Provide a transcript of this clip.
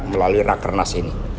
melalui rakernas ini